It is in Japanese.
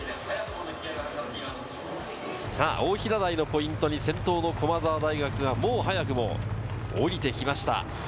大平台のポイントに、先頭の駒澤大学がもう早くも降りてきました。